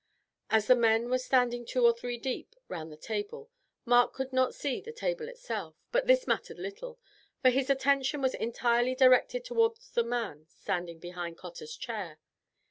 As the men were standing two or three deep round the table, Mark could not see the table itself, but this mattered little, for his attention was entirely directed towards the man standing behind Cotter's chair.